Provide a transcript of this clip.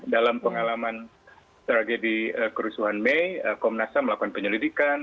dalam pengalaman tragedi kerusuhan mei komnas ham melakukan penyelidikan